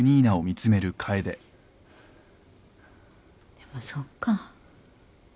でもそっか。